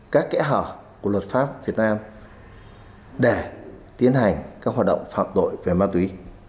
các kẽ hở của luật pháp việt nam để tiến hành các hoạt động phạm tội về ma túy